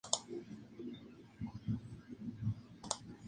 Ésta fue la organización del espacio físico de Tlayacapan.